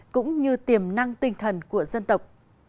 cũng như tiềm năng tinh thần của dân tộc